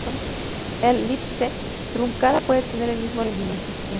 Eel·lipse truncada puede tener el mismo rendimiento.